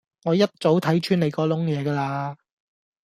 我一早睇穿你嗰籠嘢架喇